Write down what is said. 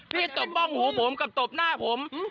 พี่ตบมองหูผมกับตบหน้าผม